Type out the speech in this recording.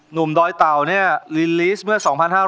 หนุ่มดอยเต่านี่รีลิสต์เมื่อ๒๕๒๘